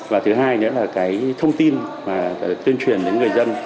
và thứ hai là thông tin tuyên truyền đến người dân